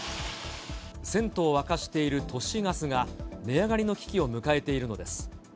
銭湯を沸かしている都市ガスが、値上がりの危機を迎えているのです。